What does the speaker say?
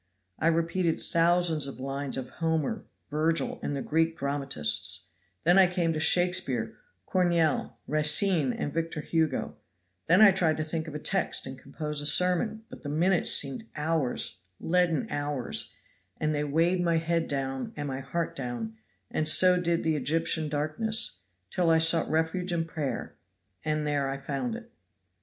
I repeated thousands of lines of Homer, Virgil and the Greek dramatists; then I came to Shakespeare, Corneille, Racine and Victor Hugo; then I tried to think of a text and compose a sermon; but the minutes seemed hours, leaden hours, and they weighed my head down and my heart down, and so did the Egyptian darkness, till I sought refuge in prayer, and there I found it."